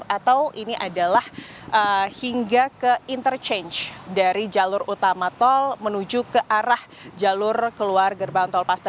atau ini adalah hingga ke interchange dari jalur utama tol menuju ke arah jalur keluar gerbang tolpaster